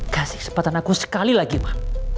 kasih kesempatan aku sekali lagi ma